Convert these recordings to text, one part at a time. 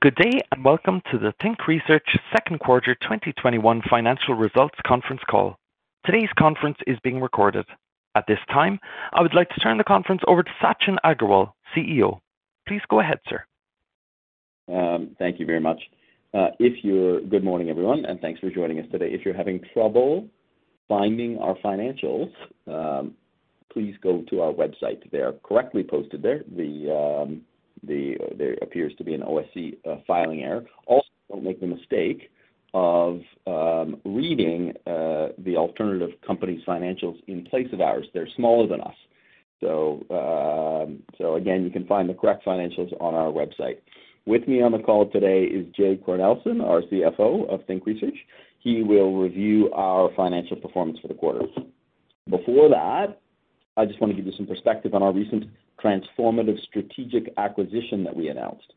Good day, welcome to the Think Research second quarter 2021 financial results conference call. Today's conference is being recorded. At this time, I would like to turn the conference over to Sachin Aggarwal, CEO. Please go ahead, sir. Thank you very much. Good morning, everyone, and thanks for joining us today. If you're having trouble finding our financials, please go to our website. They are correctly posted there. There appears to be an OSC filing error. Don't make the mistake of reading the alternative company's financials in place of ours. They're smaller than us. Again, you can find the correct financials on our website. With me on the call today is Jae Cornelssen, our CFO of Think Research. He will review our financial performance for the quarter. Before that, I just want to give you some perspective on our recent transformative strategic acquisition that we announced.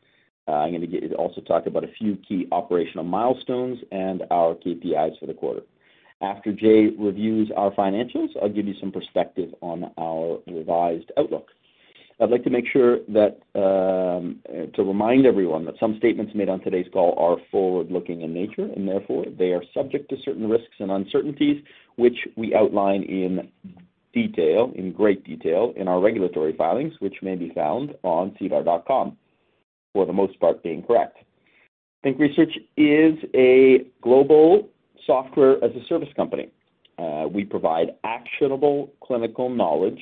I'm going to also talk about a few key operational milestones and our KPIs for the quarter. After Jae reviews our financials, I'll give you some perspective on our revised outlook. I'd like to make sure to remind everyone that some statements made on today's call are forward-looking in nature, and therefore, they are subject to certain risks and uncertainties, which we outline in great detail in our regulatory filings, which may be found on SEDAR.com, for the most part being correct. Think Research is a global software as a service company. We provide actionable clinical knowledge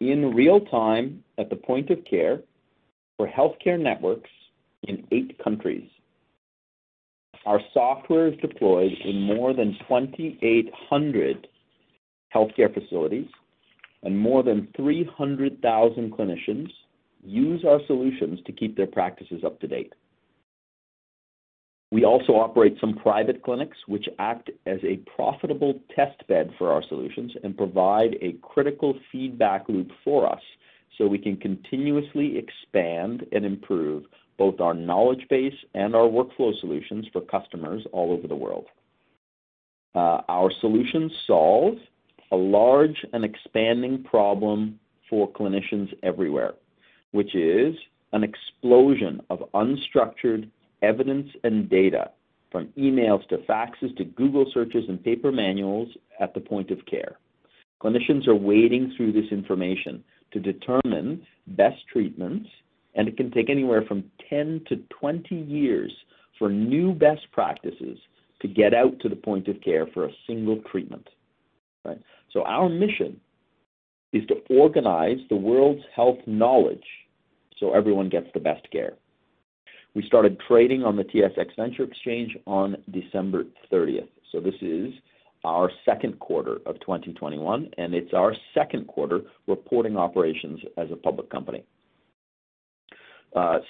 in real time at the point of care for healthcare networks in eight countries. Our software is deployed in more than 2,800 healthcare facilities, and more than 300,000 clinicians use our solutions to keep their practices up to date. We also operate some private clinics, which act as a profitable test bed for our solutions and provide a critical feedback loop for us so we can continuously expand and improve both our knowledge base and our workflow solutions for customers all over the world. Our solution solves a large and expanding problem for clinicians everywhere, which is an explosion of unstructured evidence and data, from emails to faxes to Google searches and paper manuals at the point of care. Clinicians are wading through this information to determine best treatments, and it can take anywhere from 10-20 years for new best practices to get out to the point of care for a single treatment. Our mission is to organize the world's health knowledge so everyone gets the best care. We started trading on the TSX Venture Exchange on December 30th, so this is our second quarter of 2021, and it's our second quarter reporting operations as a public company.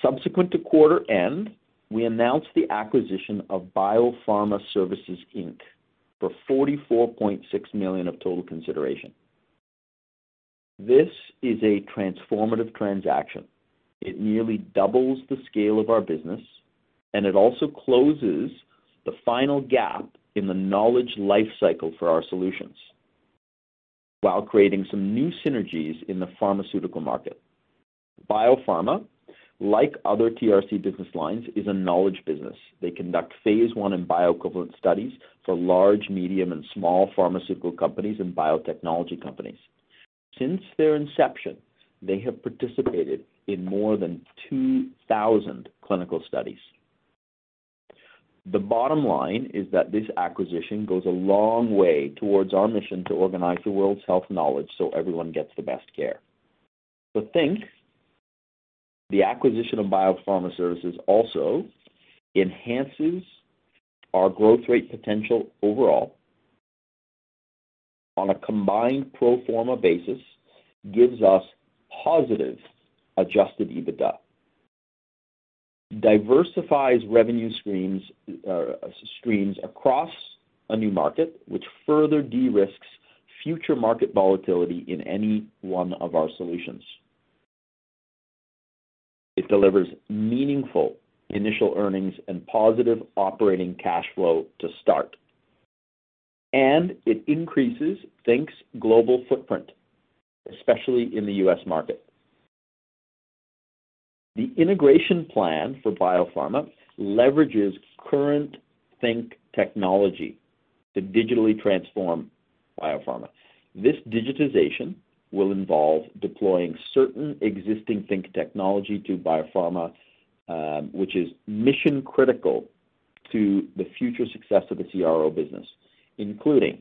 Subsequent to quarter end, we announced the acquisition of BioPharma Services Inc. for 44.6 million of total consideration. This is a transformative transaction. It nearly doubles the scale of our business, and it also closes the final gap in the knowledge life cycle for our solutions while creating some new synergies in the pharmaceutical market. BioPharma, like other TRC business lines, is a knowledge business. They conduct phase I and bioequivalent studies for large, medium, and small pharmaceutical companies and biotechnology companies. Since their inception, they have participated in more than 2,000 clinical studies. The bottom line is that this acquisition goes a long way towards our mission to organize the world's health knowledge so everyone gets the best care. For Think, the acquisition of BioPharma Services also enhances our growth rate potential overall on a combined pro forma basis, gives us positive adjusted EBITDA, diversifies revenue streams across a new market, which further de-risks future market volatility in any one of our solutions. It delivers meaningful initial earnings and positive operating cash flow to start. It increases Think's global footprint, especially in the U.S. market. The integration plan for BioPharma leverages current Think technology to digitally transform BioPharma. This digitization will involve deploying certain existing Think technology to BioPharma, which is mission-critical to the future success of the CRO business, including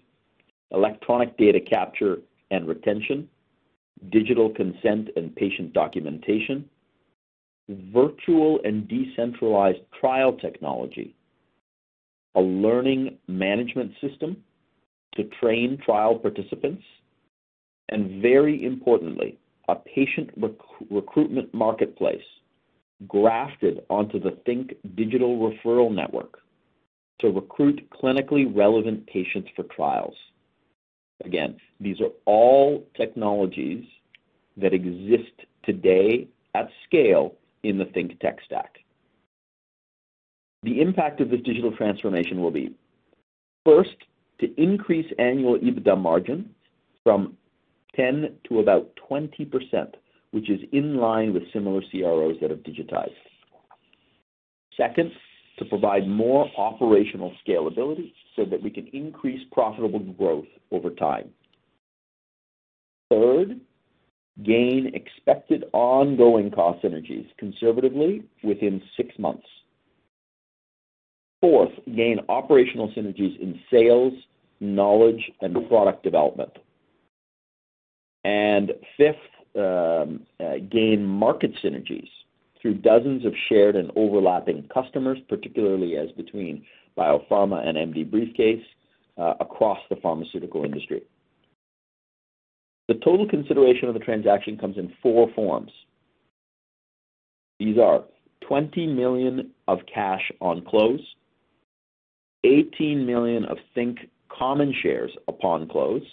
electronic data capture and retention, digital consent and patient documentation, virtual and decentralized trial technology, a learning management system to train trial participants, and very importantly, a patient recruitment marketplace grafted onto the Think digital referral network to recruit clinically relevant patients for trials. Again, these are all technologies that exist today at scale in the Think tech stack. The impact of this digital transformation will be, first, to increase annual EBITDA margins from 10%-20%, which is in line with similar CROs that have digitized. Second, to provide more operational scalability so that we can increase profitable growth over time. Third, gain expected ongoing cost synergies, conservatively within six months. Fourth, gain operational synergies in sales, knowledge, and product development. Fifth, gain market synergies through dozens of shared and overlapping customers, particularly as between BioPharma and MDBriefCase across the pharmaceutical industry. The total consideration of the transaction comes in four forms. These are 20 million of cash on close, 18 million of Think common shares upon close,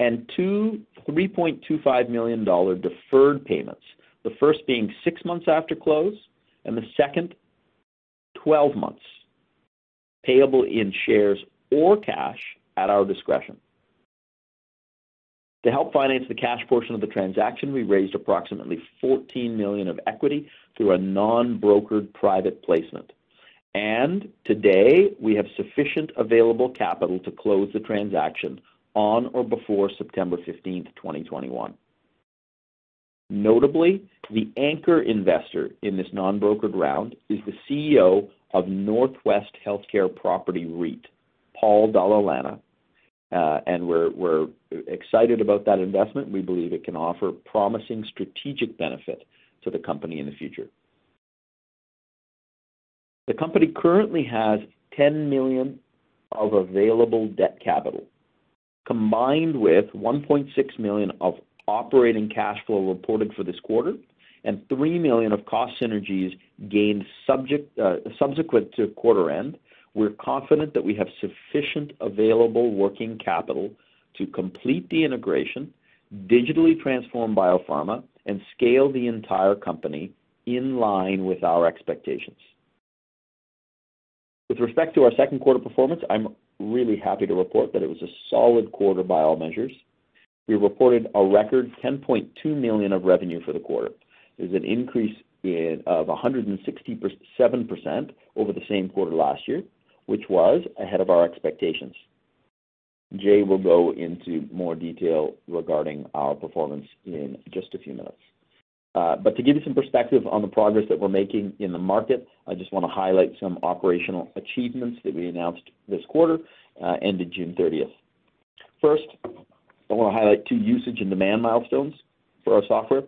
and two CAD 3.25 million deferred payments, the first being six months after close and the second 12 months, payable in shares or cash at our discretion. To help finance the cash portion of the transaction, we raised approximately 14 million of equity through a non-brokered private placement. Today, we have sufficient available capital to close the transaction on or before September 15th, 2021. Notably, the anchor investor in this non-brokered round is the CEO of Northwest Healthcare Properties REIT, Paul Dalla Lana. We're excited about that investment. We believe it can offer promising strategic benefit to the company in the future. The company currently has 10 million of available debt capital. Combined with 1.6 million of operating cash flow reported for this quarter and 3 million of cost synergies gained subsequent to quarter end, we're confident that we have sufficient available working capital to complete the integration, digitally transform BioPharma, and scale the entire company in line with our expectations. With respect to our second quarter performance, I'm really happy to report that it was a solid quarter by all measures. We reported a record 10.2 million of revenue for the quarter. It was an increase of 167% over the same quarter last year, which was ahead of our expectations. Jae will go into more detail regarding our performance in just a few minutes. To give you some perspective on the progress that we're making in the market, I just want to highlight some operational achievements that we announced this quarter ended June 30th. First, I want to highlight two usage and demand milestones for our software.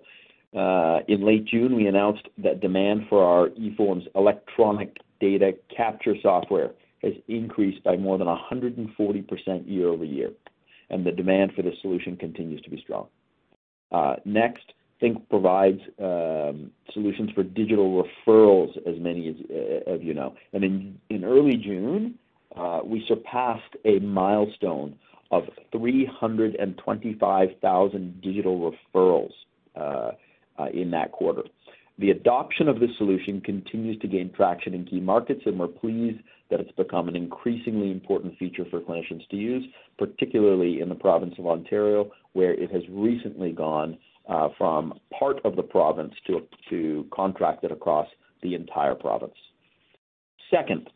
In late June, we announced that demand for our eForms electronic data capture software has increased by more than 140% year-over-year, and the demand for this solution continues to be strong. Next, Think provides solutions for digital referrals, as many of you know. In early June, we surpassed a milestone of 325,000 digital referrals in that quarter. The adoption of this solution continues to gain traction in key markets, we're pleased that it's become an increasingly important feature for clinicians to use, particularly in the province of Ontario, where it has recently gone from part of the province to contracted across the entire province. Second,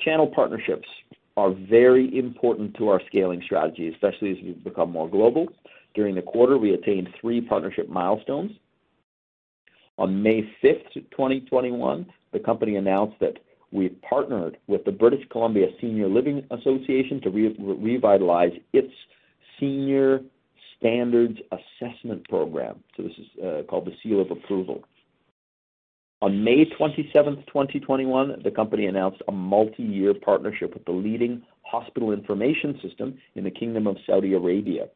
channel partnerships are very important to our scaling strategy, especially as we've become more global. During the quarter, we attained three partnership milestones. On May 5th, 2021, the company announced that we partnered with the British Columbia Seniors Living Association to revitalize its Senior Standards Assessment Program. This is called the Seal of Approval. On May 27th, 2021, the company announced a multi-year partnership with the leading hospital information system in the Kingdom of Saudi Arabia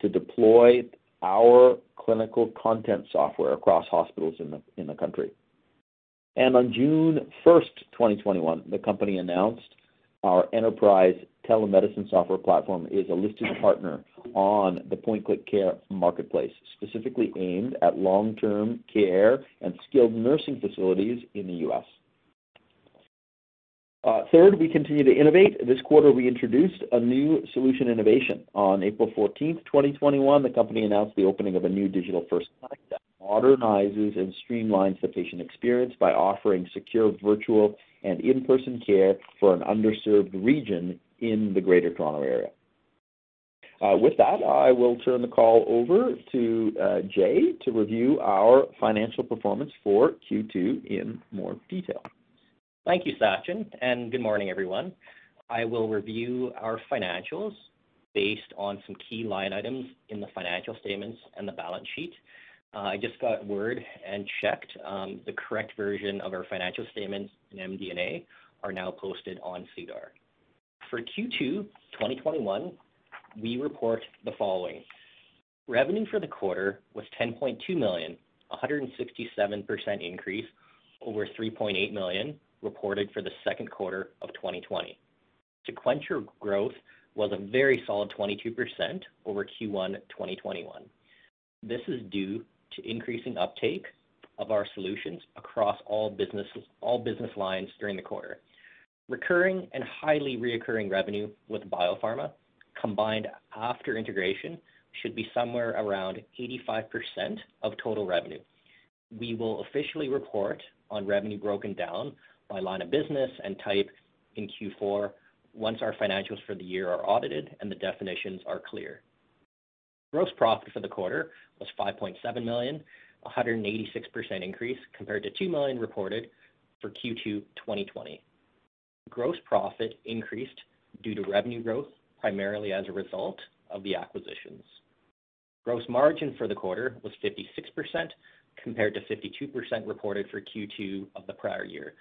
to deploy our clinical content software across hospitals in the country. On June 1st, 2021, the company announced our enterprise telemedicine software platform is a listed partner on the PointClickCare marketplace, specifically aimed at long-term care and skilled nursing facilities in the U.S. Third, we continue to innovate. This quarter, we introduced a new solution innovation. On April 14th, 2021, the company announced the opening of a new digital-first clinic that modernizes and streamlines the patient experience by offering secure virtual and in-person care for an underserved region in the Greater Toronto Area. With that, I will turn the call over to Jae to review our financial performance for Q2 in more detail. Thank you, Sachin, and good morning, everyone. I will review our financials based on some key line items in the financial statements and the balance sheet. I just got word and checked the correct version of our financial statements in MD&A are now posted on SEDAR. For Q2 2021, we report the following. Revenue for the quarter was 10.2 million, 167% increase over 3.8 million reported for the second quarter of 2020. Sequential growth was a very solid 22% over Q1 2021. This is due to increasing uptake of our solutions across all business lines during the quarter. Recurring and highly reoccurring revenue with BioPharma combined after integration should be somewhere around 85% of total revenue. We will officially report on revenue broken down by line of business and type in Q4 once our financials for the year are audited and the definitions are clear. Gross profit for the quarter was 5.7 million, 186% increase compared to 2 million reported for Q2 2020. Gross profit increased due to revenue growth, primarily as a result of the acquisitions. Gross margin for the quarter was 56%, compared to 52% reported for Q2 of the prior year.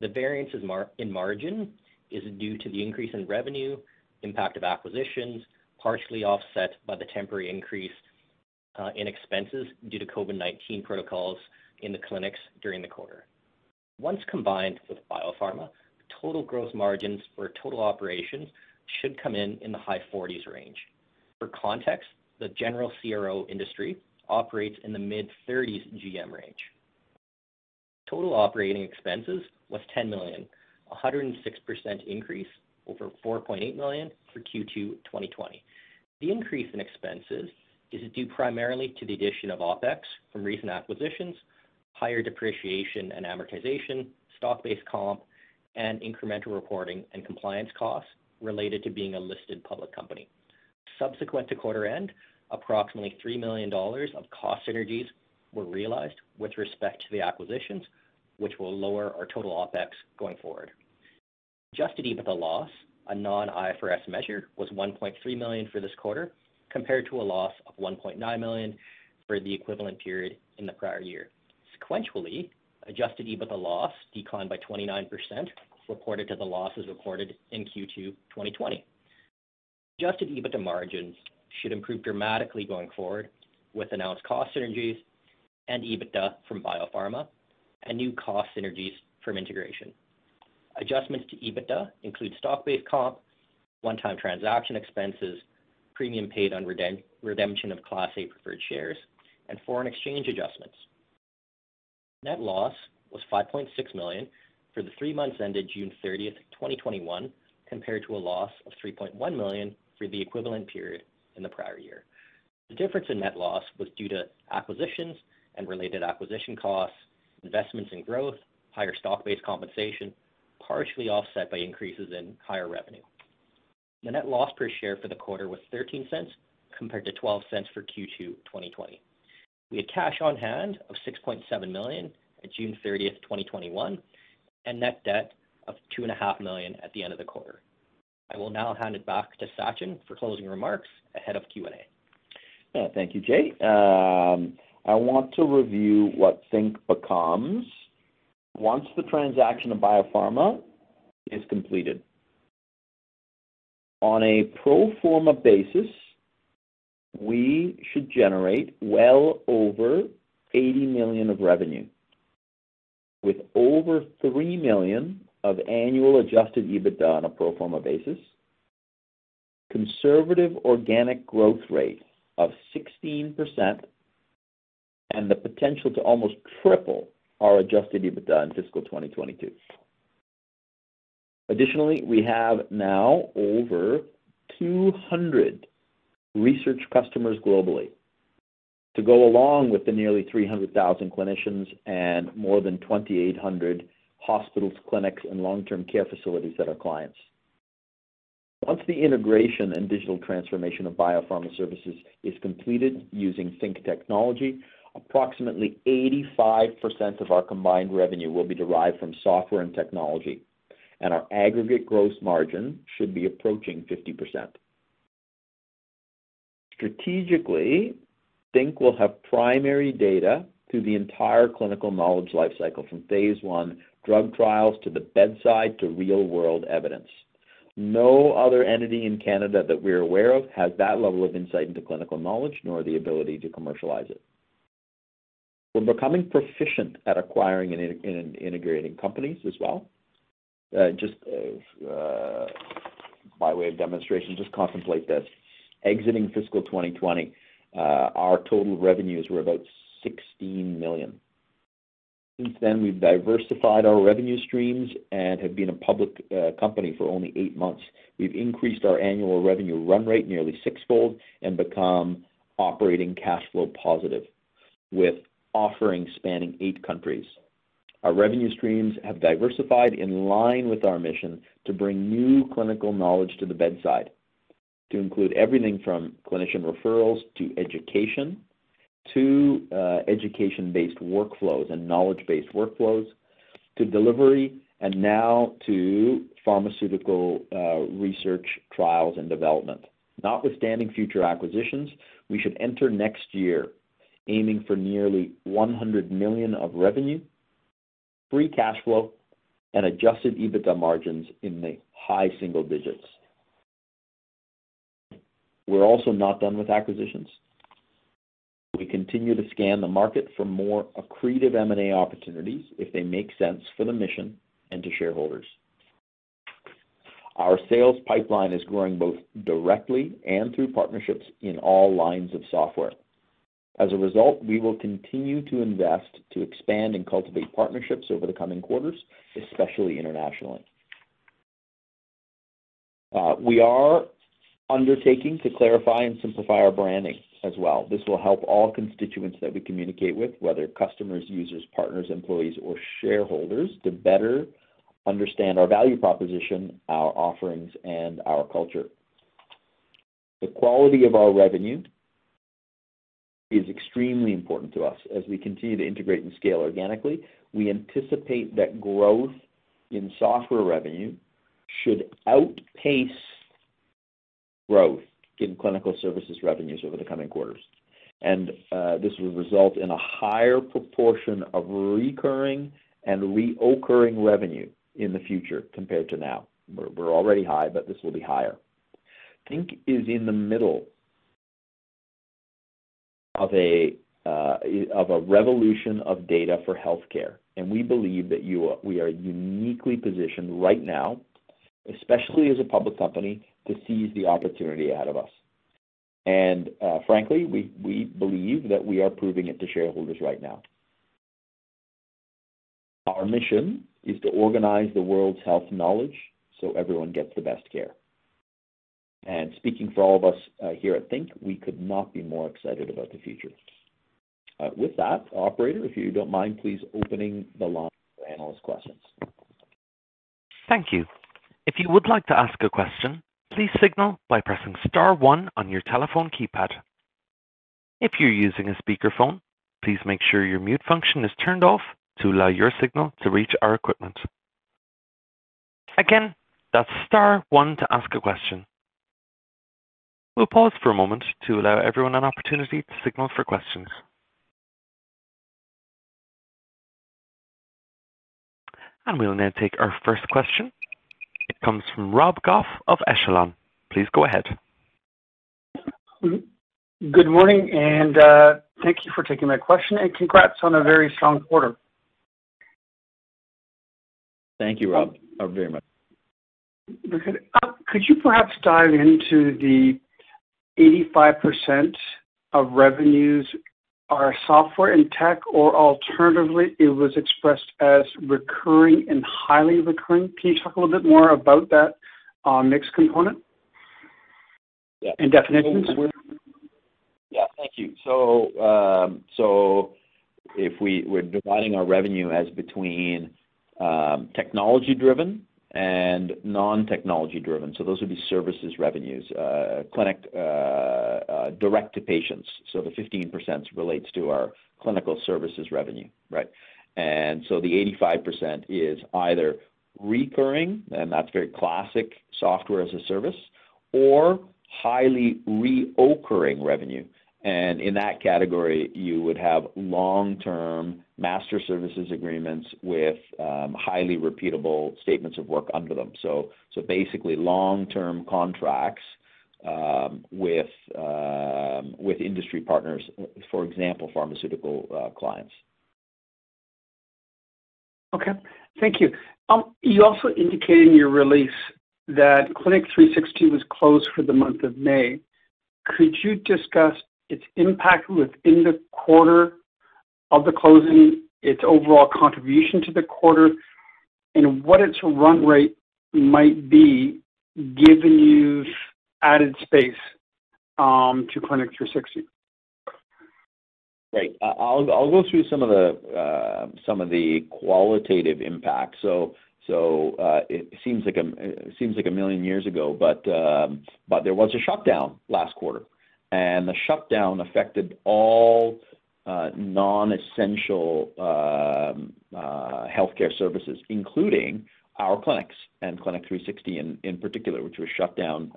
The variance in margin is due to the increase in revenue, impact of acquisitions, partially offset by the temporary increase in expenses due to COVID-19 protocols in the clinics during the quarter. Once combined with BioPharma, total gross margins for total operations should come in in the high 40s range. For context, the general CRO industry operates in the mid-30s GM range. Total operating expenses was 10 million, 106% increase over 4.8 million for Q2 2020. The increase in expenses is due primarily to the addition of OpEx from recent acquisitions, higher depreciation and amortization, stock-based comp, and incremental reporting and compliance costs related to being a listed public company. Subsequent to quarter end, approximately 3 million dollars of cost synergies were realized with respect to the acquisitions, which will lower our total OpEx going forward. Adjusted EBITDA loss, a non-IFRS measure, was 1.3 million for this quarter, compared to a loss of 1.9 million for the equivalent period in the prior year. Sequentially, adjusted EBITDA loss declined by 29%, reported to the losses reported in Q2 2020. Adjusted EBITDA margins should improve dramatically going forward with announced cost synergies and EBITDA from BioPharma and new cost synergies from integration. Adjustments to EBITDA include stock-based comp, one-time transaction expenses, premium paid on redemption of Class A preferred shares, and foreign exchange adjustments. Net loss was 5.6 million for the three months ended June 30th, 2021, compared to a loss of 3.1 million for the equivalent period in the prior year. The difference in net loss was due to acquisitions and related acquisition costs, investments in growth, higher stock-based compensation, partially offset by increases in higher revenue. The net loss per share for the quarter was 0.13, compared to 0.12 for Q2 2020. We had cash on hand of 6.7 million at June 30th, 2021, and net debt of 2.5 million at the end of the quarter. I will now hand it back to Sachin for closing remarks ahead of Q&A. Thank you, Jae. I want to review what Think becomes once the transaction of BioPharma is completed. On a pro forma basis, we should generate well over 80 million of revenue, with over 3 million of annual adjusted EBITDA on a pro forma basis, conservative organic growth rate of 16%, and the potential to almost triple our adjusted EBITDA in fiscal 2022. Additionally, we have now over 200 research customers globally to go along with the nearly 300,000 clinicians and more than 2,800 hospitals, clinics, and long-term care facilities that are clients. Once the integration and digital transformation of BioPharma Services is completed using Think technology, approximately 85% of our combined revenue will be derived from software and technology, and our aggregate gross margin should be approaching 50%. Strategically, Think will have primary data through the entire clinical knowledge life cycle, from phase I drug trials, to the bedside, to real-world evidence. No other entity in Canada that we're aware of has that level of insight into clinical knowledge, nor the ability to commercialize it. We're becoming proficient at acquiring and integrating companies as well. Just by way of demonstration, just contemplate this. Exiting fiscal 2020, our total revenues were about 16 million. Since then, we've diversified our revenue streams and have been a public company for only eight months. We've increased our annual revenue run rate nearly sixfold and become operating cash flow positive, with offerings spanning eight countries. Our revenue streams have diversified in line with our mission to bring new clinical knowledge to the bedside, to include everything from clinician referrals to education, to education-based workflows and knowledge-based workflows, to delivery, and now to pharmaceutical research, trials, and development. Notwithstanding future acquisitions, we should enter next year aiming for nearly 100 million of revenue, free cash flow, and adjusted EBITDA margins in the high single digits. We're also not done with acquisitions. We continue to scan the market for more accretive M&A opportunities if they make sense for the mission and to shareholders. Our sales pipeline is growing both directly and through partnerships in all lines of software. We will continue to invest to expand and cultivate partnerships over the coming quarters, especially internationally. We are undertaking to clarify and simplify our branding as well. This will help all constituents that we communicate with, whether customers, users, partners, employees, or shareholders to better understand our value proposition, our offerings, and our culture. The quality of our revenue is extremely important to us. As we continue to integrate and scale organically, we anticipate that growth in software revenue should outpace growth in clinical services revenues over the coming quarters. This will result in a higher proportion of recurring and reoccurring revenue in the future compared to now. We're already high, but this will be higher. Think is in the middle of a revolution of data for healthcare, and we believe that we are uniquely positioned right now, especially as a public company, to seize the opportunity ahead of us. Frankly, we believe that we are proving it to shareholders right now. Our mission is to organize the world's health knowledge so everyone gets the best care. Speaking for all of us here at Think, we could not be more excited about the future. With that, operator, if you don't mind, please opening the line for analyst questions. Thank you. If you would like to ask a question, please signal by pressing star one on your telephone keypad. If you're using a speakerphone, please make sure your mute function is turned off to allow your signal to reach our equipment. Again, that's star one to ask a question. We'll pause for a moment to allow everyone an opportunity to signal for questions. We'll now take our first question. It comes from Rob Goff of Echelon. Please go ahead. Good morning, and thank you for taking my question, and congrats on a very strong quarter. Thank you, Rob, very much. Could you perhaps dive into the 85% of revenues are software and tech, or alternatively, it was expressed as recurring and highly recurring. Can you talk a little bit more about that mixed component? Yeah. Definitions? Yeah. Thank you. If we're dividing our revenue as between technology driven and non-technology driven, those would be services revenues, clinic direct to patients. The 15% relates to our clinical services revenue, right? The 85% is either recurring, and that's very classic software as a service, or highly reoccurring revenue. In that category, you would have long-term master services agreements with highly repeatable statements of work under them. Basically, long-term contracts with industry partners, for example, pharmaceutical clients. Okay. Thank you. You also indicated in your release that Clinic 360 was closed for the month of May. Could you discuss its impact within the quarter of the closing, its overall contribution to the quarter, and what its run rate might be given you've added space to Clinic 360? Right. I'll go through some of the qualitative impacts. It seems like a million years ago, but there was a shutdown last quarter, and the shutdown affected all non-essential healthcare services, including our clinics and Clinic 360 in particular, which was shut down,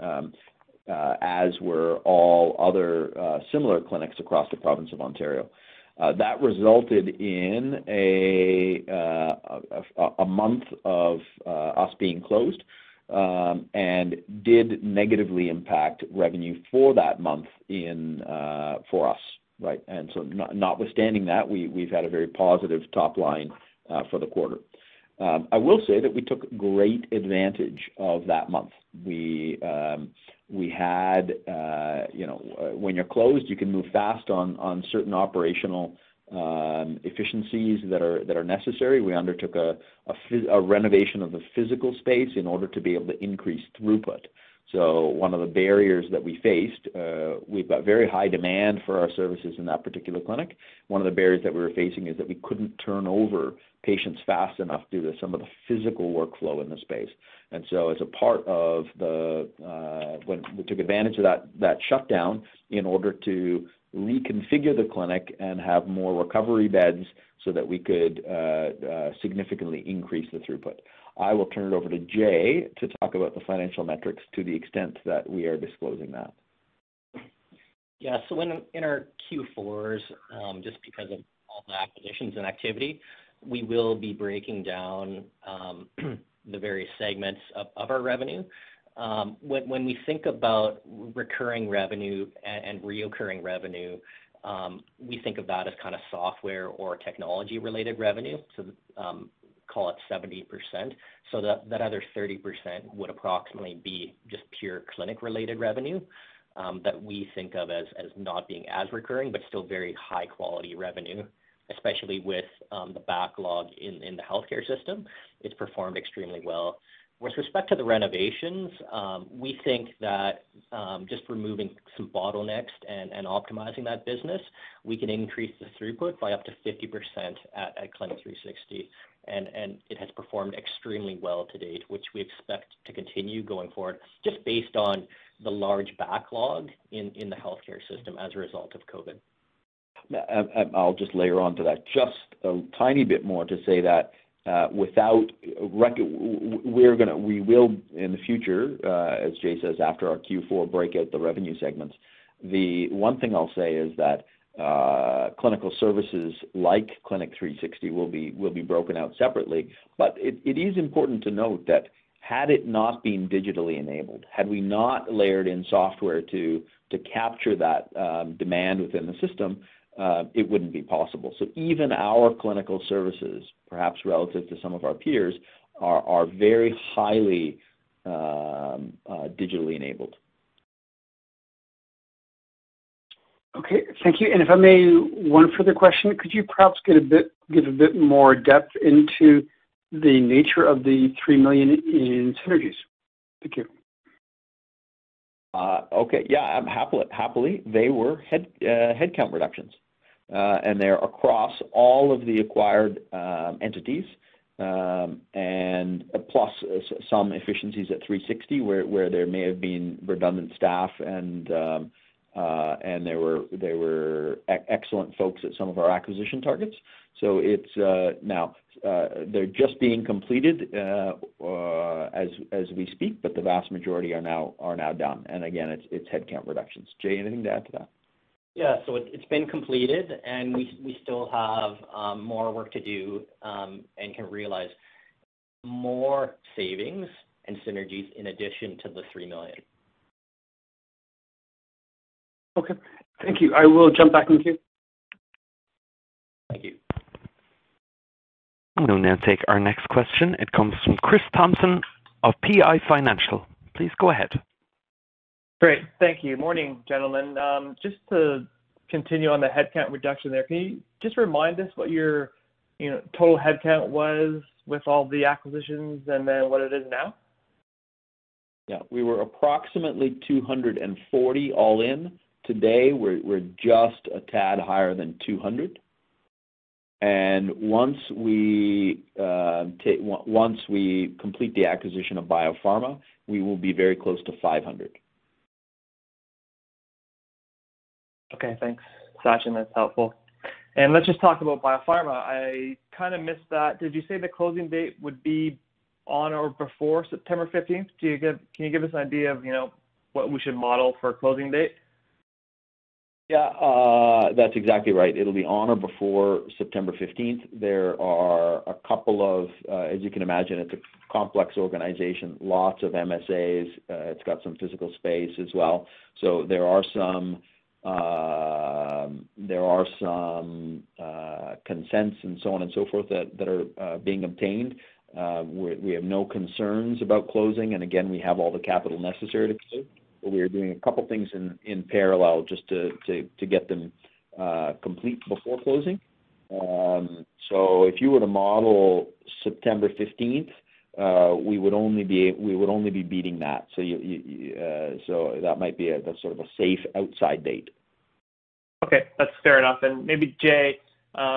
as were all other similar clinics across the province of Ontario. That resulted in a month of us being closed, and did negatively impact revenue for that month for us. Notwithstanding that, we've had a very positive top line for the quarter. I will say that we took great advantage of that month. When you're closed, you can move fast on certain operational efficiencies that are necessary. We undertook a renovation of the physical space in order to be able to increase throughput. One of the barriers that we faced, we've got very high demand for our services in that particular clinic. One of the barriers that we were facing is that we couldn't turn over patients fast enough due to some of the physical workflow in the space. We took advantage of that shutdown in order to reconfigure the clinic and have more recovery beds so that we could significantly increase the throughput. I will turn it over to Jae to talk about the financial metrics to the extent that we are disclosing that. Yeah. In our Q4s, just because of all the acquisitions and activity, we will be breaking down the various segments of our revenue. When we think about recurring revenue and reoccurring revenue, we think of that as kind of software or technology-related revenue, call it 70%. That other 30% would approximately be just pure clinic-related revenue that we think of as not being as recurring, but still very high-quality revenue, especially with the backlog in the healthcare system. It's performed extremely well. With respect to the renovations, we think that just removing some bottlenecks and optimizing that business, we can increase the throughput by up to 50% at Clinic 360. It has performed extremely well to date, which we expect to continue going forward just based on the large backlog in the healthcare system as a result of COVID. I'll just layer onto that just a tiny bit more to say that we will, in the future, as Jae says, after our Q4 breakout, the revenue segments. The one thing I'll say is that clinical services like Clinic 360 will be broken out separately. It is important to note that had it not been digitally enabled, had we not layered in software to capture that demand within the system, it wouldn't be possible. Even our clinical services, perhaps relative to some of our peers, are very highly digitally enabled. Okay. Thank you. If I may, one further question, could you perhaps give a bit more depth into the nature of the 3 million in synergies? Thank you. Okay. Yeah, happily. They were headcount reductions. They're across all of the acquired entities, and plus some efficiencies at 360, where there may have been redundant staff, and there were excellent folks at some of our acquisition targets. Now, they're just being completed as we speak, but the vast majority are now done. Again, it's headcount reductions. Jae, anything to add to that? Yeah. It's been completed, and we still have more work to do and can realize more savings and synergies in addition to the 3 million. Okay. Thank you. I will jump back in queue. Thank you. I will now take our next question. It comes from Kris Thompson of PI Financial. Please go ahead. Great. Thank you. Morning, gentlemen. Just to continue on the headcount reduction there, can you just remind us what your total headcount was with all the acquisitions and then what it is now? Yeah. We were approximately 240 all in. Today, we're just a tad higher than 200. Once we complete the acquisition of BioPharma, we will be very close to 500. Okay, thanks, Sachin. That's helpful. Let's just talk about BioPharma. I kind of missed that. Did you say the closing date would be on or before September 15th? Can you give us an idea of what we should model for a closing date? Yeah, that's exactly right. It'll be on or before September 15th. There are a couple of, as you can imagine, it's a complex organization, lots of MSAs. It's got some physical space as well. There are some consents and so on and so forth that are being obtained. We have no concerns about closing, and again, we have all the capital necessary to close. We are doing a couple things in parallel just to get them complete before closing. If you were to model September 15th, we would only be beating that. That might be sort of a safe outside date. Okay. That's fair enough. Maybe Jae,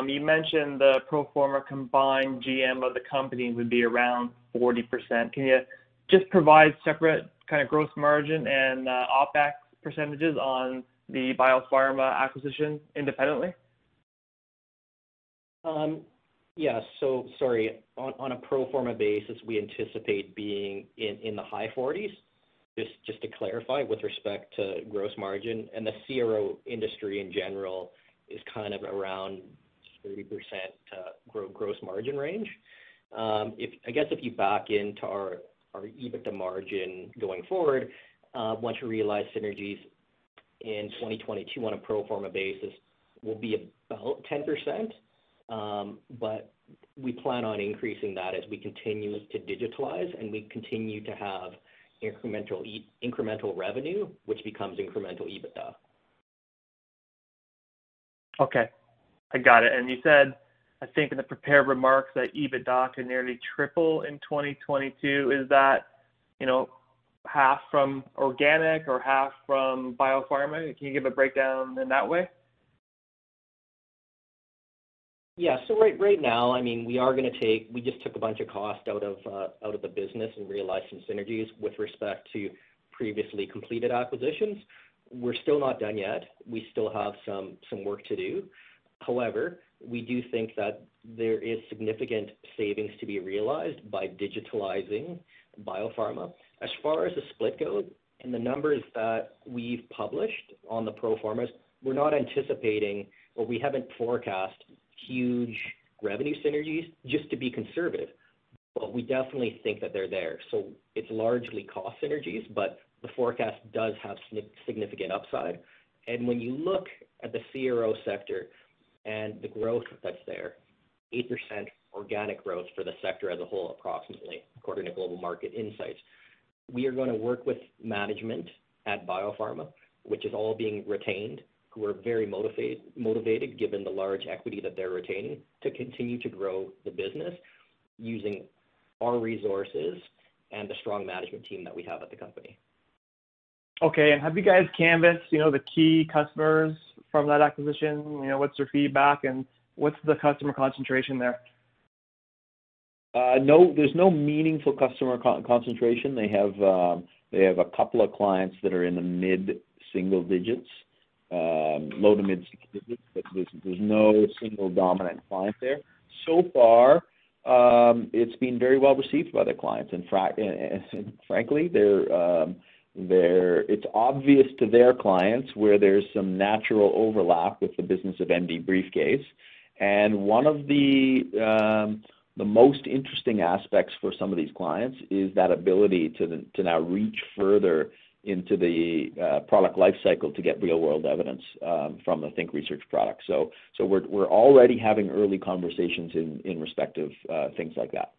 you mentioned the pro forma combined GM of the company would be around 40%. Can you just provide separate kind of gross margin and OpEx percentages on the BioPharma acquisition independently? Sorry. On a pro forma basis, we anticipate being in the high 40s, just to clarify, with respect to gross margin. The CRO industry in general is kind of around 30% gross margin range. I guess if you back into our EBITDA margin going forward, once you realize synergies in 2022 on a pro forma basis, will be about 10%. We plan on increasing that as we continue to digitalize and we continue to have incremental revenue, which becomes incremental EBITDA. Okay. I got it. You said, I think in the prepared remarks, that EBITDA can nearly triple in 2022. Is that half from organic or half from BioPharma? Can you give a breakdown in that way? Yeah. Right now, we just took a bunch of cost out of the business and realized some synergies with respect to previously completed acquisitions. We are still not done yet. We still have some work to do. However, we do think that there is significant savings to be realized by digitalizing BioPharma. As far as the split goes, and the numbers that we have published on the pro formas, we are not anticipating, or we have not forecast huge revenue synergies just to be conservative, but we definitely think that they are there. It is largely cost synergies, but the forecast does have significant upside. When you look at the CRO sector and the growth that is there, 8% organic growth for the sector as a whole approximately according to Global Market Insights. We are going to work with management at BioPharma, which is all being retained, who are very motivated given the large equity that they're retaining to continue to grow the business using our resources and the strong management team that we have at the company. Okay. Have you guys canvassed the key customers from that acquisition? What's their feedback and what's the customer concentration there? There's no meaningful customer concentration. They have a couple of clients that are in the mid-single digits, low to mid-single digits, but there's no single dominant client there. It's been very well received by the clients. Frankly, it's obvious to their clients where there's some natural overlap with the business of MDBriefCase. One of the most interesting aspects for some of these clients is that ability to now reach further into the product life cycle to get real-world evidence from the Think Research product. We're already having early conversations in respect of things like that.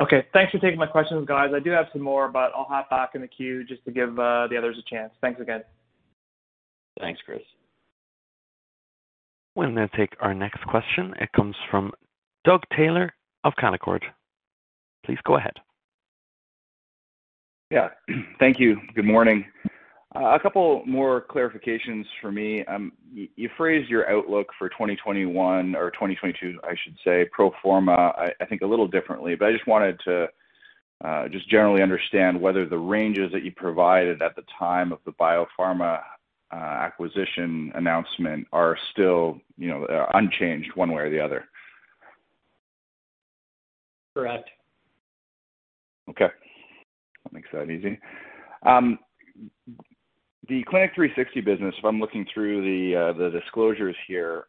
Okay. Thanks for taking my questions, guys. I do have some more, but I'll hop back in the queue just to give the others a chance. Thanks again. Thanks, Kris. We'll now take our next question. It comes from Doug Taylor of Canaccord. Please go ahead. Yeah. Thank you. Good morning. A couple more clarifications for me. You phrased your outlook for 2021, or 2022, I should say, pro forma, I think a little differently, but I just wanted to just generally understand whether the ranges that you provided at the time of the BioPharma acquisition announcement are still unchanged one way or the other. Correct. Okay. That makes that easy. The Clinic 360 business, if I'm looking through the disclosures here,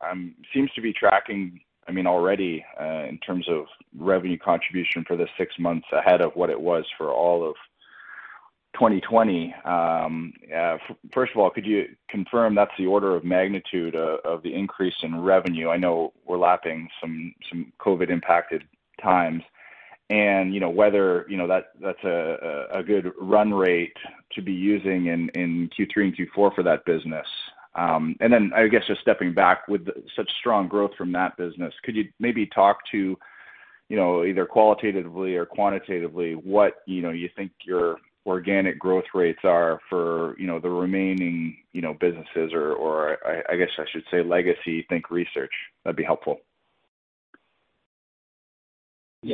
seems to be tracking already in terms of revenue contribution for the six months ahead of what it was for all of 2020. First of all, could you confirm that's the order of magnitude of the increase in revenue? I know we're lapping some COVID impacted times and whether that's a good run rate to be using in Q3 and Q4 for that business. I guess just stepping back, with such strong growth from that business, could you maybe talk to either qualitatively or quantitatively what you think your organic growth rates are for the remaining businesses or I guess I should say legacy Think Research? That'd be helpful.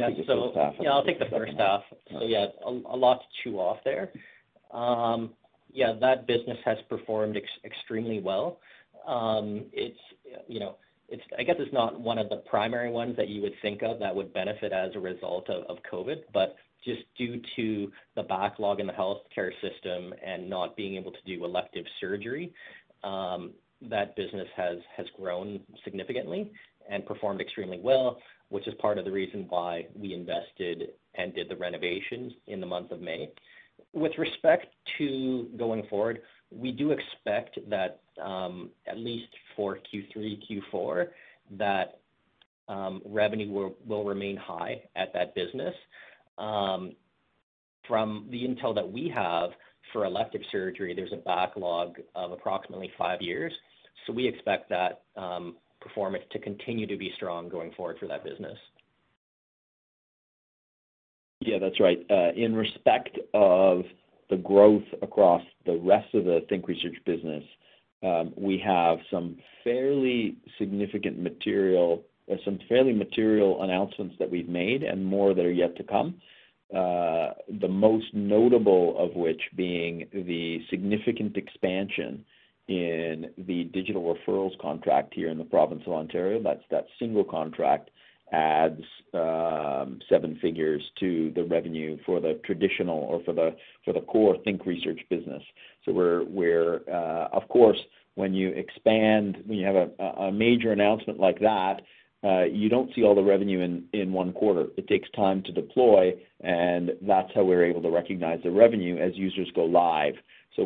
I'll take the first half. A lot to chew off there. That business has performed extremely well. I guess it's not one of the primary ones that you would think of that would benefit as a result of COVID, but just due to the backlog in the healthcare system and not being able to do elective surgery, that business has grown significantly and performed extremely well, which is part of the reason why we invested and did the renovations in the month of May. With respect to going forward, we do expect that at least for Q3, Q4, that revenue will remain high at that business. From the intel that we have for elective surgery, there's a backlog of approximately five years. We expect that performance to continue to be strong going forward for that business. Yeah, that's right. In respect of the growth across the rest of the Think Research business, we have some fairly material announcements that we've made and more that are yet to come. The most notable of which being the significant expansion in the digital referrals contract here in the province of Ontario. That single contract adds seven figures to the revenue for the traditional or for the core Think Research business. We're of course, when you expand, when you have a major announcement like that, you don't see all the revenue in one quarter. It takes time to deploy, and that's how we're able to recognize the revenue as users go live.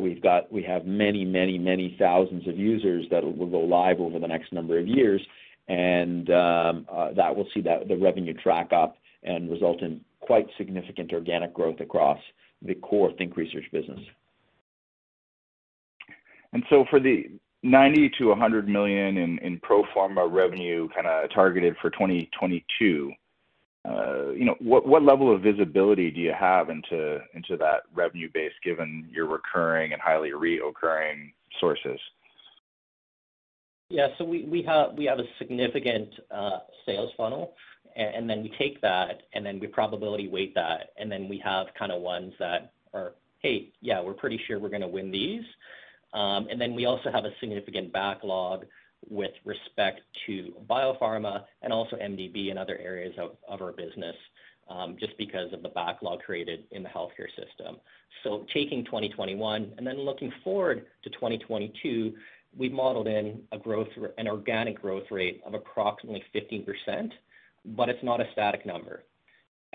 We have many thousands of users that will go live over the next number of years and that will see the revenue track up and result in quite significant organic growth across the core Think Research business. For the 90 million-100 million in pro forma revenue targeted for 2022, what level of visibility do you have into that revenue base given your recurring and highly reoccurring sources? We have a significant sales funnel, and then we take that and then we probability weight that, and then we have ones that are, "Hey, yeah, we're pretty sure we're going to win these." We also have a significant backlog with respect to BioPharma and also MDB and other areas of our business, just because of the backlog created in the healthcare system. Taking 2021 and then looking forward to 2022, we've modeled in an organic growth rate of approximately 15%, but it's not a static number.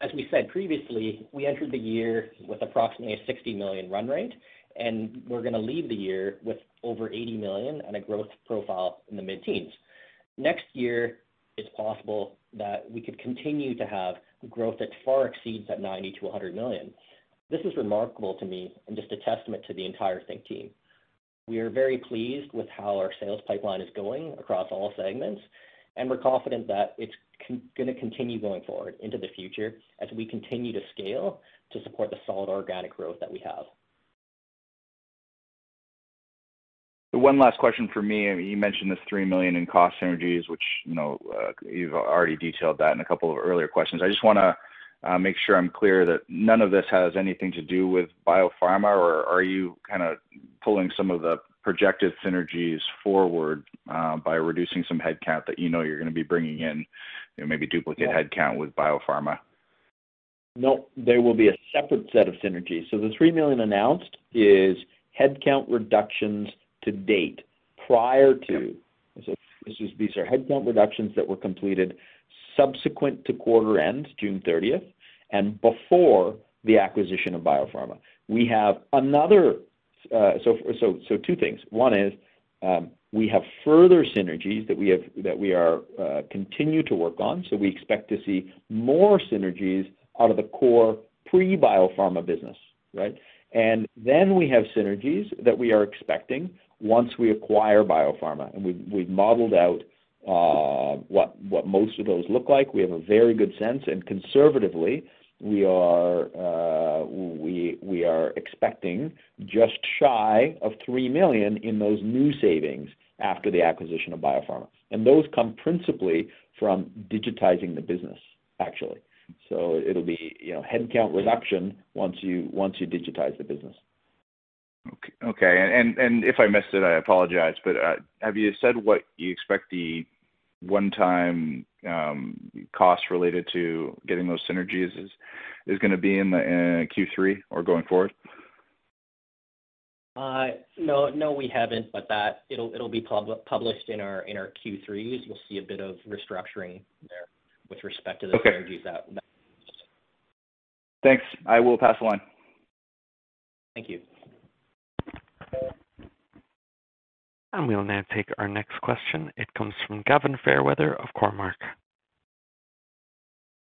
As we said previously, we entered the year with approximately a 60 million run rate, and we're going to leave the year with over 80 million on a growth profile in the mid-teens. Next year, it's possible that we could continue to have growth that far exceeds that 90 million-100 million. This is remarkable to me and just a testament to the entire Think team. We are very pleased with how our sales pipeline is going across all segments. We're confident that it's going to continue going forward into the future as we continue to scale to support the solid organic growth that we have. One last question from me. You mentioned this 3 million in cost synergies, which you've already detailed that in a couple of earlier questions. I just want to make sure I'm clear that none of this has anything to do with BioPharma. Are you kind of pulling some of the projected synergies forward by reducing some headcount that you know you're going to be bringing in, maybe duplicate headcount with BioPharma? No, there will be a separate set of synergies. The 3 million announced is headcount reductions to date. These are headcount reductions that were completed subsequent to quarter end, June 30th, and before the acquisition of BioPharma. Two things. One is we have further synergies that we continue to work on. We expect to see more synergies out of the core pre-BioPharma business. Right. We have synergies that we are expecting once we acquire BioPharma. We've modeled out what most of those look like. We have a very good sense. Conservatively, we are expecting just shy of 3 million in those new savings after the acquisition of BioPharma. Those come principally from digitizing the business, actually. It'll be headcount reduction once you digitize the business. Okay. If I missed it, I apologize. Have you said what you expect the one-time cost related to getting those synergies is going to be in Q3 or going forward? No, we haven't, but it'll be published in our Q3. You'll see a bit of restructuring there with respect to the synergies. Okay. Thanks. I will pass the line. Thank you. We'll now take our next question. It comes from Gavin Fairweather of Cormark.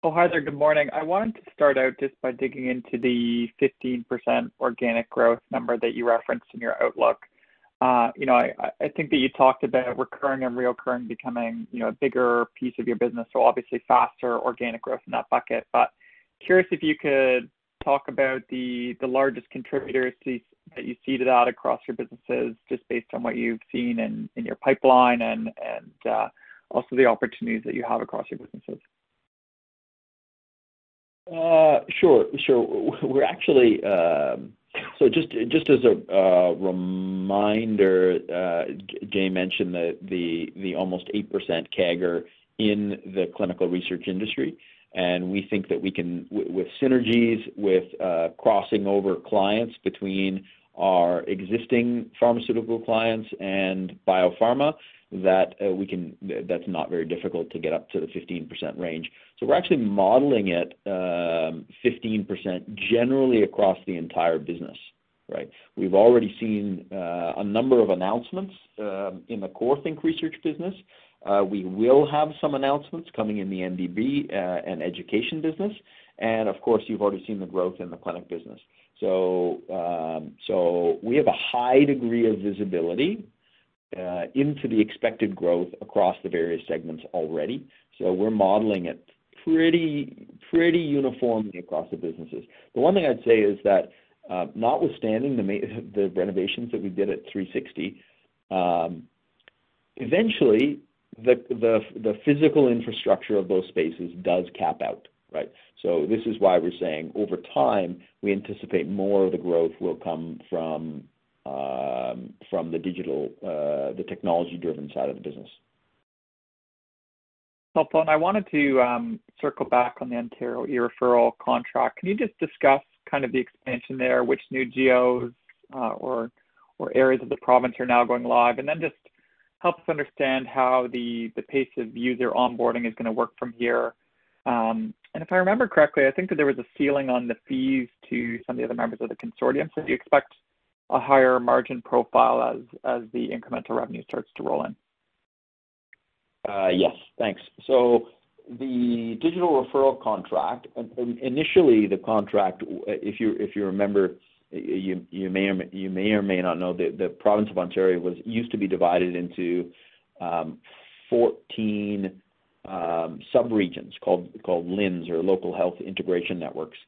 Oh, hi there. Good morning. I wanted to start out just by digging into the 15% organic growth number that you referenced in your outlook. I think that you talked about recurring and reoccurring becoming a bigger piece of your business. Obviously faster organic growth in that bucket. Curious if you could talk about the largest contributors that you see to that across your businesses, just based on what you've seen in your pipeline and also the opportunities that you have across your businesses. Just as a reminder, Jae mentioned the almost 8% CAGR in the clinical research industry, we think that with synergies, with crossing over clients between our existing pharmaceutical clients and BioPharma, that's not very difficult to get up to the 15% range. We're actually modeling it 15% generally across the entire business. Right? We've already seen a number of announcements in the core Think Research business. We will have some announcements coming in the MDB and education business. Of course, you've already seen the growth in the clinic business. We have a high degree of visibility into the expected growth across the various segments already. We're modeling it pretty uniformly across the businesses. The one thing I'd say is that notwithstanding the renovations that we did at 360, eventually the physical infrastructure of those spaces does cap out. Right? This is why we're saying, over time, we anticipate more of the growth will come from the digital, the technology-driven side of the business. Helpful, I wanted to circle back on the Ontario eReferral contract. Can you just discuss kind of the expansion there, which new geos or areas of the province are now going live? Just help us understand how the pace of user onboarding is going to work from here. If I remember correctly, I think that there was a ceiling on the fees to some of the other members of the consortium. Do you expect a higher margin profile as the incremental revenue starts to roll in? Yes. Thanks. The digital referral contract, initially the contract, if you remember, you may or may not know, the province of Ontario used to be divided into 14 subregions called LHINs or Local Health Integration Networks.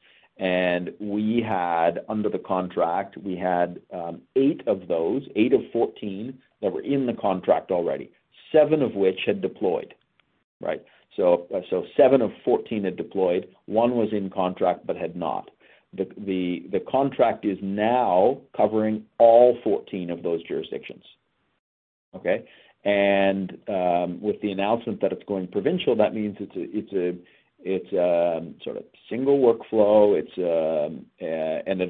Under the contract, we had eight of those, eight of 14 that were in the contract already, seven of which had deployed. Right? seven of 14 had deployed. One was in contract but had not. The contract is now covering all 14 of those jurisdictions. Okay? With the announcement that it's going provincial, that means it's a sort of single workflow, and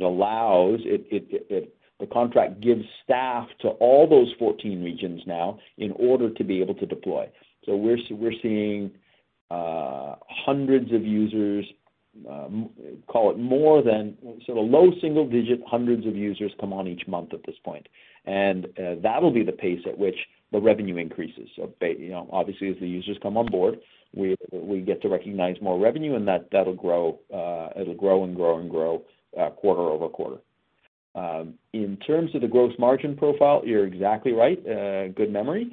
the contract gives staff to all those 14 regions now in order to be able to deploy. We're seeing hundreds of users, call it more than low single digit hundreds of users come on each month at this point. That'll be the pace at which the revenue increases. Obviously, as the users come on board, we get to recognize more revenue, and that'll grow. It'll grow and grow and grow quarter-over-quarter. In terms of the gross margin profile, you're exactly right. Good memory.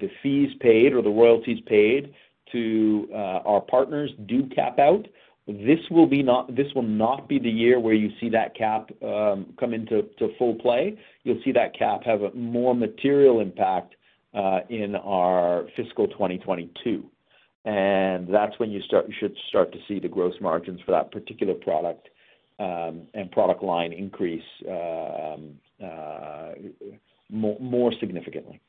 The fees paid or the royalties paid to our partners do cap out. This will not be the year where you see that cap come into full play. You'll see that cap have a more material impact in our fiscal 2022. That's when you should start to see the gross margins for that particular product and product line increase more significantly.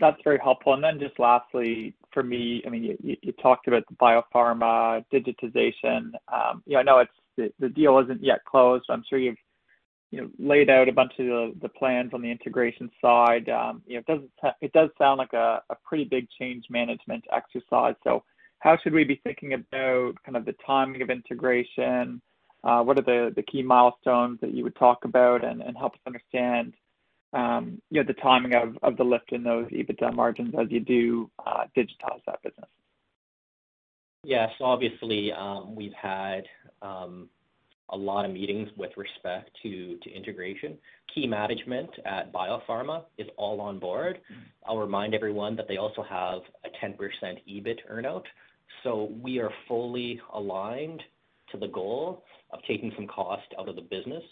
That's very helpful. Just lastly, for me, you talked about the BioPharma digitization. I know the deal isn't yet closed. I'm sure you've laid out a bunch of the plans on the integration side. It does sound like a pretty big change management exercise. How should we be thinking about the timing of integration? What are the key milestones that you would talk about and help us understand the timing of the lift in those EBITDA margins as you do digitize that business? Yes, obviously, we've had a lot of meetings with respect to integration. Key management at BioPharma is all on board. I'll remind everyone that they also have a 10% EBIT earn-out. We are fully aligned to the goal of taking some cost out of the business,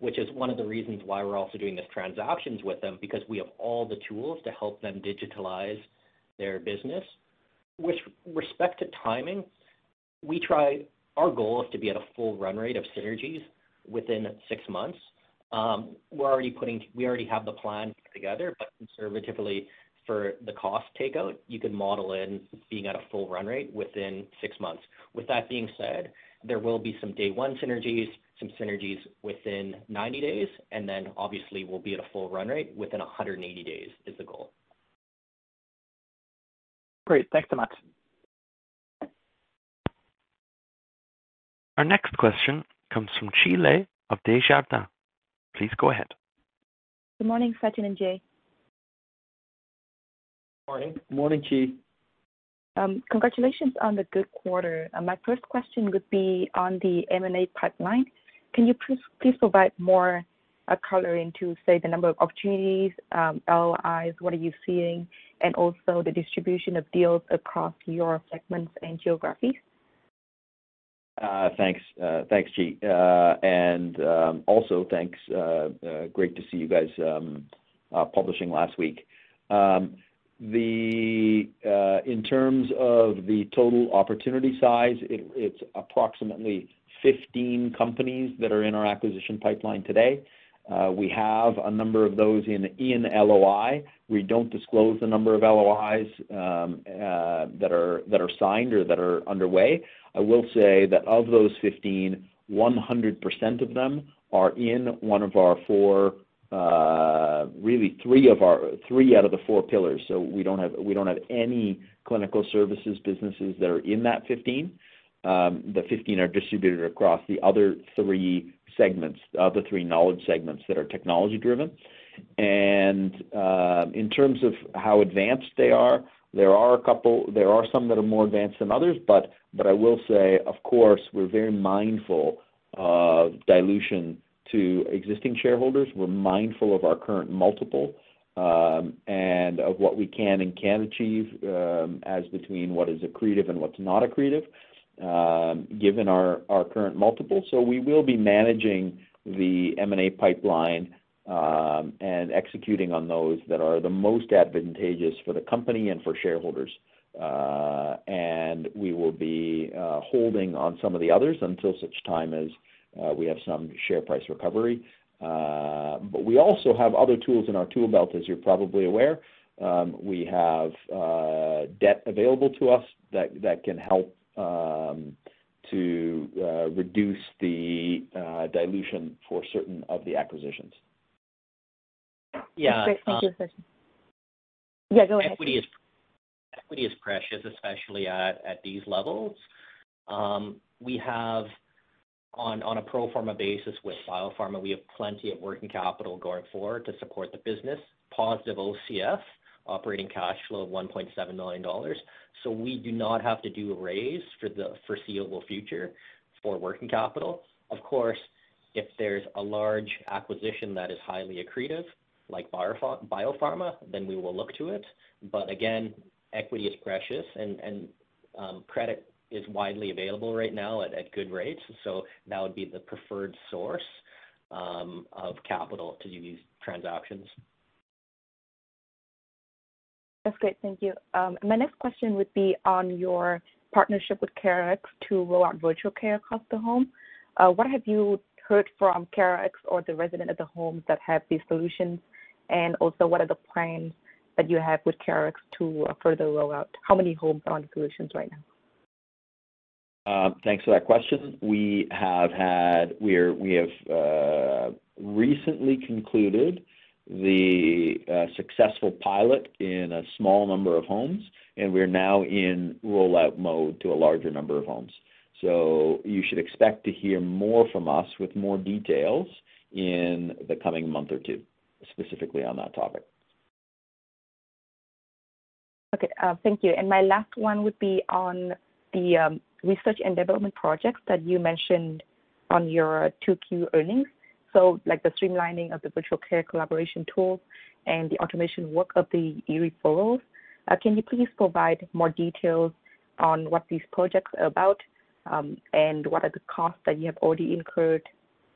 which is one of the reasons why we're also doing this transactions with them, because we have all the tools to help them digitalize their business. With respect to timing, our goal is to be at a full run rate of synergies within six months. We already have the plan together, conservatively for the cost takeout, you could model in being at a full run rate within six months. With that being said, there will be some day one synergies, some synergies within 90 days, obviously we'll be at a full run rate within 180 days, is the goal. Great. Thanks so much. Our next question comes from Chi Le of Desjardins. Please go ahead. Good morning, Sachin and Jae. Morning. Morning, Chi. Congratulations on the good quarter. My first question would be on the M&A pipeline. Can you please provide more coloring to, say, the number of opportunities, LOIs, what are you seeing, and also the distribution of deals across your segments and geographies? Thanks. Thanks, Chi, and also thanks. Great to see you guys publishing last week. In terms of the total opportunity size, it's approximately 15 companies that are in our acquisition pipeline today. We have a number of those in LOI. We don't disclose the number of LOIs that are signed or that are underway. I will say that of those 15, 100% of them are in one of our four, really three out of the four pillars. We don't have any clinical services businesses that are in that 15. The 15 are distributed across the other three segments, the other three knowledge segments that are technology-driven. In terms of how advanced they are, there are some that are more advanced than others. I will say, of course, we're very mindful of dilution to existing shareholders. We're mindful of our current multiple, and of what we can and can't achieve, as between what is accretive and what's not accretive given our current multiple. We will be managing the M&A pipeline and executing on those that are the most advantageous for the company and for shareholders. We will be holding on some of the others until such time as we have some share price recovery. We also have other tools in our tool belt, as you're probably aware. We have debt available to us that can help to reduce the dilution for certain of the acquisitions. Yeah. That's great. Thank you, Sachin. Yeah, go ahead. Equity is precious, especially at these levels. We have on a pro forma basis with BioPharma, we have plenty of working capital going forward to support the business. Positive OCF, operating cash flow of 1.7 million dollars. We do not have to do a raise for the foreseeable future for working capital. Of course, if there is a large acquisition that is highly accretive, like BioPharma, then we will look to it. Again, equity is precious, and credit is widely available right now at good rates. That would be the preferred source of capital to do these transactions. That's great. Thank you. My next question would be on your partnership with CareRx to roll out virtual care across the home. What have you heard from CareRx or the resident at the homes that have these solutions? What are the plans that you have with CareRx to further roll out? How many homes are on the solutions right now? Thanks for that question. We have recently concluded the successful pilot in a small number of homes. We're now in rollout mode to a larger number of homes. You should expect to hear more from us with more details in the coming month or two, specifically on that topic. Okay, thank you. My last one would be on the research and development projects that you mentioned on your 2Q earnings. like the streamlining of the virtual care collaboration tool and the automation work of the eReferrals. Can you please provide more details on what these projects are about, and what are the costs that you have already incurred?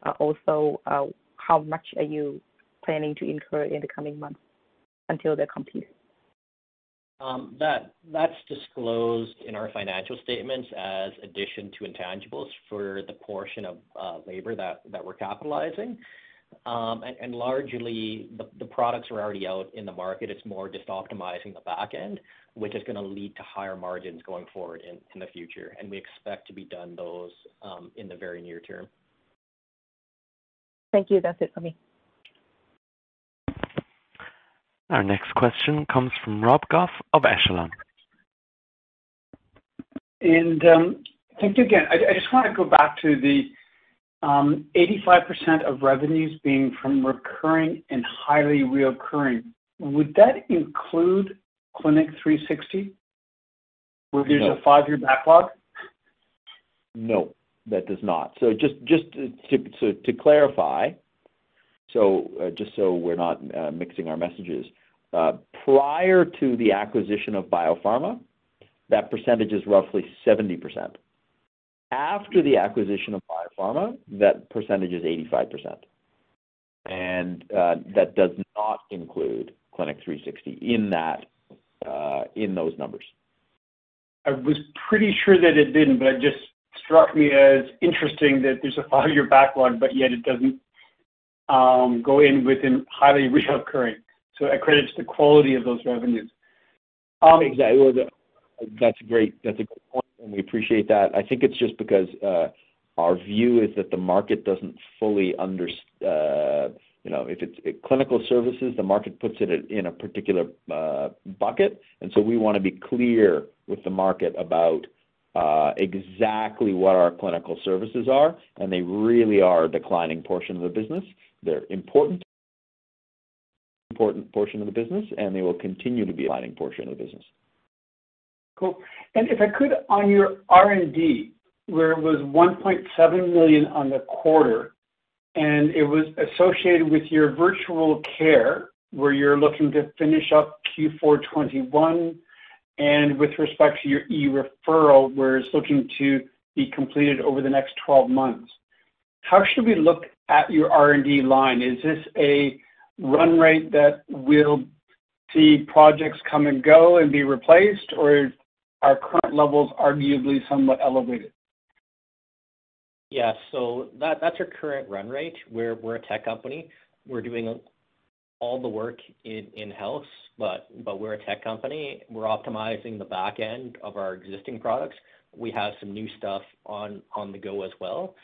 How much are you planning to incur in the coming months until they're complete? That's disclosed in our financial statements as addition to intangibles for the portion of labor that we're capitalizing. Largely, the products are already out in the market. It's more just optimizing the back end, which is going to lead to higher margins going forward in the future. We expect to be done those in the very near term. Thank you. That's it for me. Our next question comes from Rob Goff of Echelon. Thanks again. I just want to go back to the 85% of revenues being from recurring and highly reoccurring. Would that include Clinic 360? No where there's a five-year backlog? No, that does not. Just to clarify, just so we're not mixing our messages. Prior to the acquisition of BioPharma, that percentage is roughly 70%. After the acquisition of BioPharma, that percentage is 85%. That does not include Clinic 360 in those numbers. I was pretty sure that it didn't, but it just struck me as interesting that there's a five-year backlog, but yet it doesn't go in within highly reoccurring. It accredits the quality of those revenues. Exactly. Well, that's a great point, and we appreciate that. I think it's just because our view is that the market doesn't fully understand. If it's clinical services, the market puts it in a particular bucket. We want to be clear with the market about exactly what our clinical services are, and they really are a declining portion of the business. They're an important portion of the business, and they will continue to be a declining portion of the business. Cool. If I could, on your R&D, where it was 1.7 million on the quarter, it was associated with your virtual care, where you're looking to finish up Q4 2021, with respect to your eReferral, where it's looking to be completed over the next 12 months. How should we look at your R&D line? Is this a run rate that we'll see projects come and go and be replaced, or are current levels arguably somewhat elevated? Yeah. That's our current run rate. We're a tech company. We're doing all the work in-house, but we're a tech company. We're optimizing the back end of our existing products. We have some new stuff on the go as well.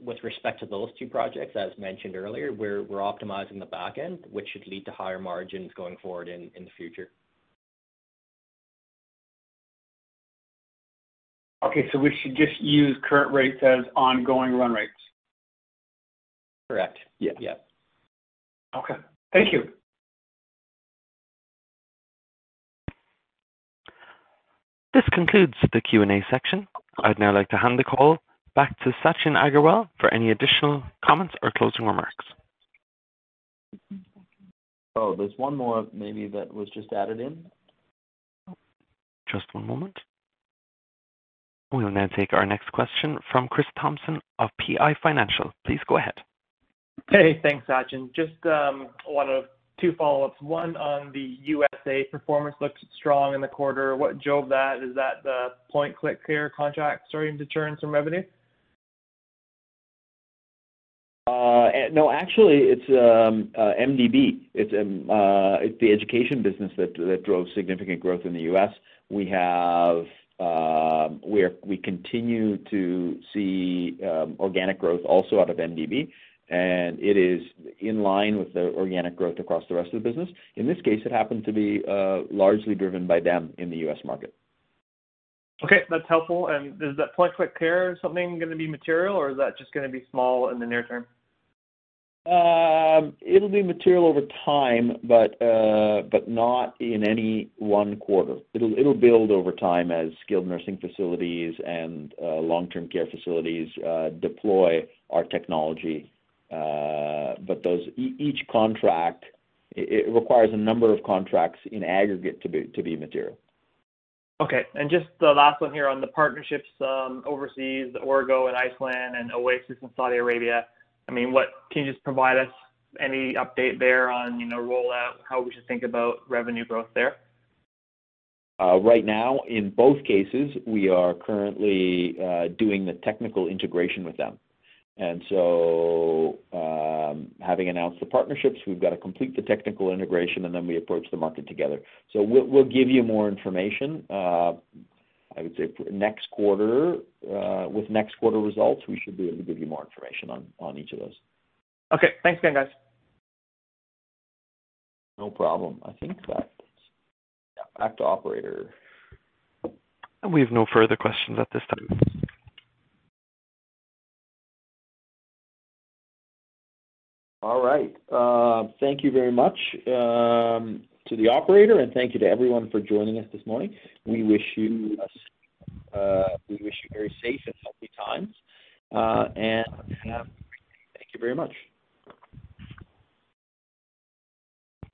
With respect to those two projects, as mentioned earlier, we're optimizing the back end, which should lead to higher margins going forward in the future. Okay, we should just use current rates as ongoing run rates? Correct. Yeah. Okay. Thank you. This concludes the Q&A section. I'd now like to hand the call back to Sachin Aggarwal for any additional comments or closing remarks. Oh, there's one more maybe that was just added in. Just one moment. We will now take our next question from Kris Thompson of PI Financial. Please go ahead. Hey, thanks, Sachin. Just one of two follow-ups. One on the USA performance looked strong in the quarter. What drove that? Is that the PointClickCare contract starting to churn some revenue? No, actually, it's MDB. It's the education business that drove significant growth in the U.S. We continue to see organic growth also out of MDB, and it is in line with the organic growth across the rest of the business. In this case, it happened to be largely driven by them in the U.S. market. Okay, that's helpful. Is that PointClickCare something going to be material, or is that just going to be small in the near term? It'll be material over time, but not in any one quarter. It'll build over time as skilled nursing facilities and long-term care facilities deploy our technology. Each contract, it requires a number of contracts in aggregate to be material. Okay. Just the last one here on the partnerships overseas, Origo in Iceland and OASIS in Saudi Arabia. I mean, can you just provide us any update there on rollout, how we should think about revenue growth there? Right now, in both cases, we are currently doing the technical integration with them. Having announced the partnerships, we've got to complete the technical integration, and then we approach the market together. We'll give you more information, I would say next quarter. With next quarter results, we should be able to give you more information on each of those. Okay. Thanks again, guys. No problem. I think that's back to operator. We have no further questions at this time. All right. Thank you very much to the operator, and thank you to everyone for joining us this morning. We wish you very safe and healthy times. Thank you very much.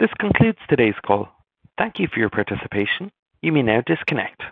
This concludes today's call. Thank you for your participation. You may now disconnect.